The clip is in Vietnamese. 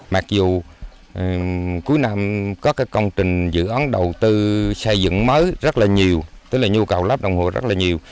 mặc dù cuối năm có các công trình dự án đầu tư xây dựng mới rất là nhiều tức là nhu cầu lắp đồng hồ rất là nhiều